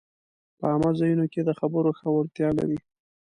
په عامه ځایونو کې د خبرو ښه وړتیا لري